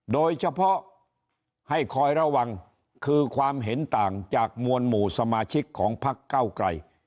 โดยเฉพาะให้คอยระวังคือความเห็นต่างจากมวลหมู่สมาชิกของพักเก้าไกร